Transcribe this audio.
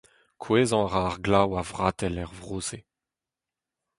Kouezhañ a ra ar glav a-vratell er vro-se.